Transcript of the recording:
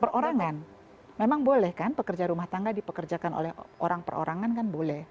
perorangan memang boleh kan pekerja rumah tangga dipekerjakan oleh orang perorangan kan boleh